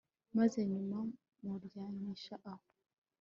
maze nyuma muryamisha aho